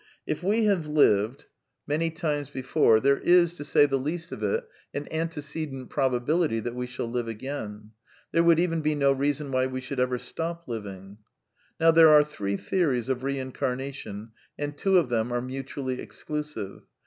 If we have lived 316 A DEFENCE OF IDEALISM many times before, there is, to say the least of it, an ant* cedent probability that we shall live again. There would even be^no rea J why we should eve^stop Uying. Now there are three theories of Eeincamation, and two of them are mutually exclusive.